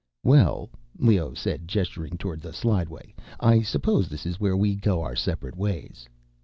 "Well," Leoh said, gesturing toward the slideway, "I suppose this is where we go our separate ways."